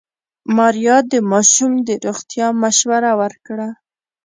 ماريا د ماشوم د روغتيا مشوره ورکړه.